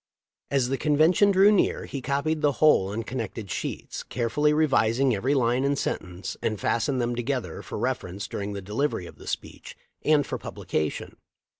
As the convention drew near he copied the whole on connected sheets, carefully revising every line and sentence, and fastened them together, for reference during the delivery of the speech, and for publication.